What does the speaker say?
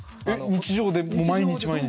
日常で毎日毎日？